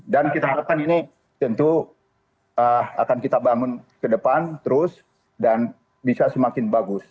dan kita harapkan ini tentu akan kita bangun ke depan terus dan bisa semakin bagus